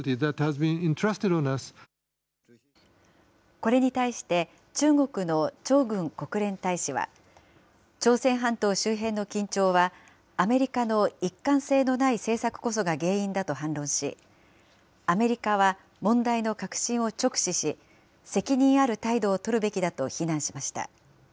これに対して、中国の張軍国連大使は、朝鮮半島周辺の緊張は、アメリカの一貫性のない政策こそが原因だと反論し、アメリカは問題の核心を直視し、責任ある態度を取るべきだと非難しました。